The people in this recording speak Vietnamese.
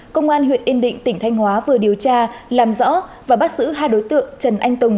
công an huyện yên định tỉnh thanh hóa vừa điều tra làm rõ và bắt giữ hai đối tượng trần anh tùng